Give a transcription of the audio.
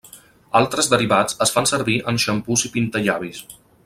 Altres derivats es fan servir en xampús i pintallavis.